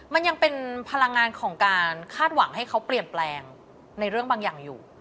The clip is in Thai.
มันยังเป็นพลังงานของการคาดหวังให้เขาเปลี่ยนแปลงในเรื่องบางอย่างอยู่